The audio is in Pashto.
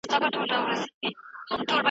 ټولنیز علوم تر طبیعي علومو پېچلي دي.